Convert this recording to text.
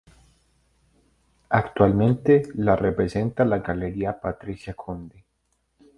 Actualmente la representa la Galería Patricia Conde.